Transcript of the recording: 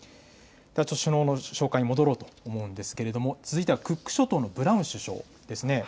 首脳の紹介に戻ろうと思うんですが続いてはクック諸島のブラウン首相ですね。